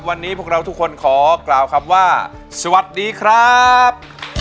วันนี้พวกเราทุกคนขอกล่าวคำว่าสวัสดีครับ